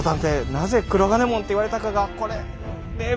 なぜ「黒金門」って言われたかがこれねえ